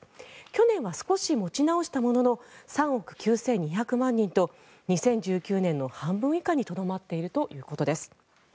去年は少し持ち直したものの３億９２００万人と２０１９年の半分以下にとどまっているということです。